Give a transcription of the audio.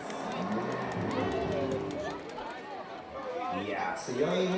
いや、強いね。